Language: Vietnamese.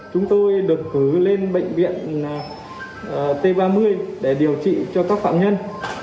chúng tôi được cử lên bệnh viện t ba mươi để điều trị cho các phạm nhân